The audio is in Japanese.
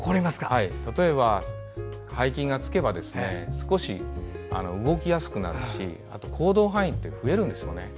例えば、背筋がつけば少し動きやすくなるしあと、行動範囲が増えるんですね。